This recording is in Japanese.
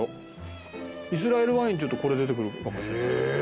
イスラエルワインっていうとこれ出てくる。